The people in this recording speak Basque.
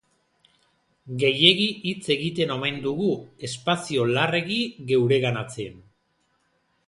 Gehiegi hitz egiten omen dugu, espazio larregi geureganatzen.